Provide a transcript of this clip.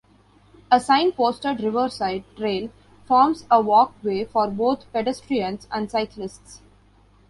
A sign posted riverside trail forms a walkway for both pedestrians and cyclists.